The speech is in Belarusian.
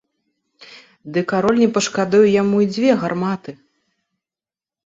Ды кароль не пашкадуе яму і дзве гарматы!